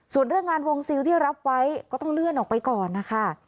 ส่วนเรื่องงานวงซิลที่รับไว้ก็ต้องเลื่อนออกไปก่อนนะคะ